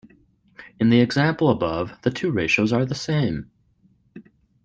In the example above, the two ratios are the same.